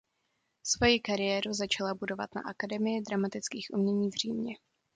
Svoji kariéru začala budovat na Akademii dramatických umění v Římě.